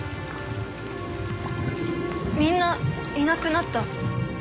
「みんないなくなった。